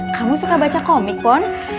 kamu suka baca komik pun